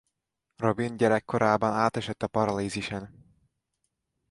Robin gyerekkorában átesett a paralízisen.